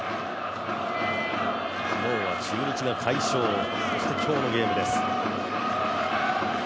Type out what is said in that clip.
昨日は中日が快勝、そして今日のゲームです。